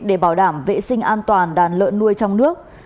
để bảo đảm vệ sinh an toàn đàn lợn nuôi trong nước